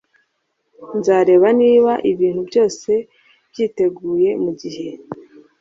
Nzareba niba ibintu byose byiteguye mugihe